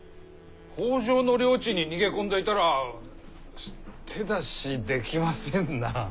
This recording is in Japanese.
北条の領地に逃げ込んでいたら手出しできませんな。